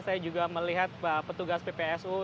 saya juga melihat petugas ppsu